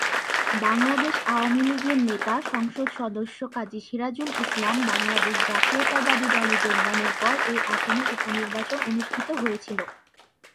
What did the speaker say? বাংলাদেশ আওয়ামীলীগের নেতা সংসদ সদস্য কাজী সিরাজুল ইসলাম বাংলাদেশ জাতীয়তাবাদী দলে যোগদানের পর এই আসনে উপ নির্বাচন অনুষ্ঠিত হয়েছিল।